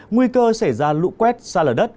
nguy cơ xảy ra lụ quét xa lở đất